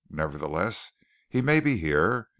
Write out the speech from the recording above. "Nevertheless, he may be here.